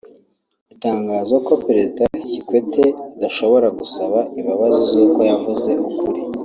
itangaza ko Perezida Kikwete adashobora gusaba imbabazi z’uko yavuze ukuri